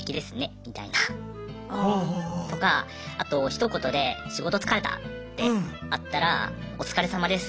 みたいなとかあとひと言で「仕事疲れた」ってあったら「お疲れ様です。